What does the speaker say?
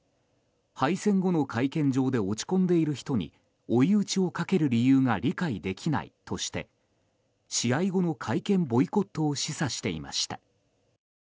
敗戦後の会見場で落ち込んでいる人に追い打ちをかける理由が理解できないとして試合後の会見ボイコットを示唆していました。